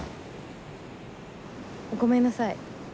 ごめんなさい。